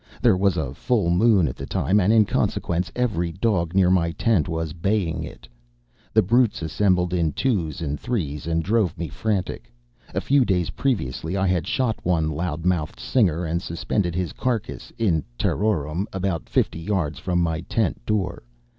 There was a full moon at the time, and, in consequence, every dog near my tent was baying it. The brutes assembled in twos and threes and drove me frantic. A few days previously I had shot one loud mouthed singer and suspended his carcass in terrorem about fifty yards from my tent door.